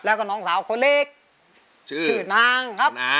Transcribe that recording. แล้วก็คนเล็กชื่อนางครับ